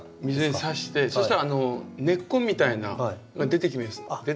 水にさしてそしたら根っこみたいなのが出てきますよね。